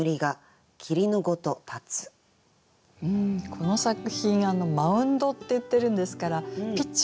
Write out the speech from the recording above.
この作品「マウンド」って言ってるんですからピッチャーとしてね